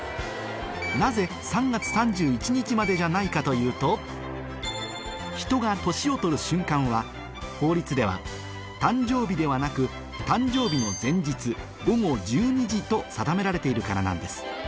なぜ３月３１日までじゃないかというと人が年を取る瞬間は法律では誕生日ではなく誕生日の前日午後１２時と定められているからなんです